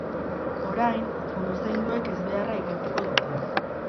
Orain, foruzaingoek ezbeharra ikertuko dute.